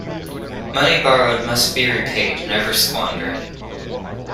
Money borrowed must be repaid, never squander it.